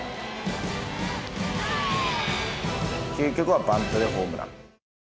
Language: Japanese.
究極はバントでホームラン。